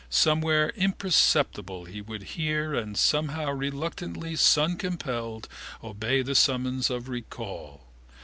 Somewhere imperceptibly he would hear and somehow reluctantly, suncompelled, obey the summons of recall.